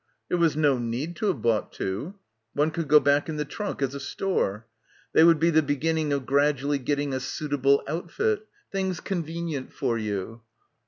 There was no need to have bought two. One could go back in the trunk as a store. They would be the beginning of gradually getting a 'suitable outfit,' 'things convenient for you.'